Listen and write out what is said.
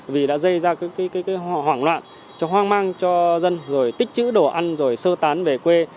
vì đã dây ra cái hoảng loạn cho hoang mang cho dân rồi tích chữ đổ ăn rồi sơ tán về quê